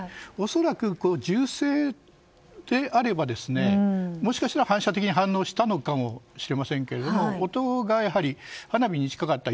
恐らく銃声であればもしかしたら反射的に反応したかもしれませんが音がやはり、花火に近かった。